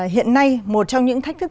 hiện nay một trong những thách thức